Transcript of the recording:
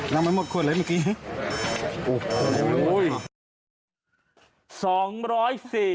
ยังไม่หมดขวดเหรอตอนนี้